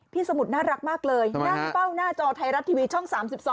สมุทรน่ารักมากเลยนั่งเฝ้าหน้าจอไทยรัฐทีวีช่อง๓๒